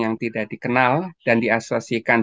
yang tidak dikenal dan diasuasikan